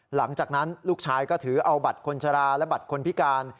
หลังจากนั้นลูกชายก็ถือเอาบัตรคนชะลาและบัตรคนพิการ